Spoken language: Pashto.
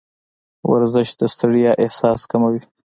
ورزش د ستړیا احساس کموي.